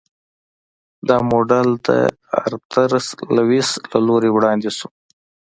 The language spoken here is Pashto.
دا موډل د آرتر لویس له لوري وړاندې شو.